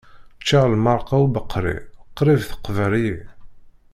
Ččiɣ lmerqa ubeqri, qrib teqber-iyi.